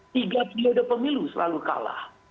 tiga periode pemilu selalu kalah